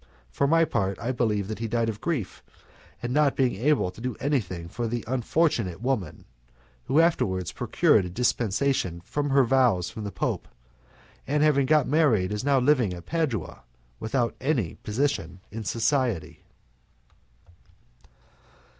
For my part, I believe that he died of grief at not being able to do anything for the unfortunate woman, who afterwards procured a dispensation from her vows from the Pope, and having got married is now living at Padua without any position in society.